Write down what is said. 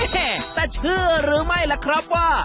แต่เชื่อหรือไม่ล่ะครับว่า